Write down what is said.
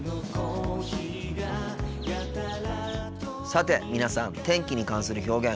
さて皆さん天気に関する表現